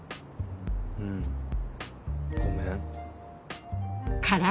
うんごめん。